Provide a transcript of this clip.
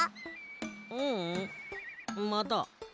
ううんまだ。